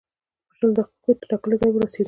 په شلو دقیقو کې تر ټاکلي ځایه ورسېدو.